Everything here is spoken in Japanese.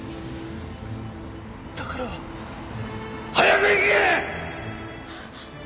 だから早く行け！